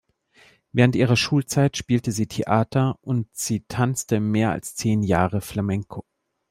Während ihrer Schulzeit spielte sie Theater und sie tanzte mehr als zehn Jahre Flamenco.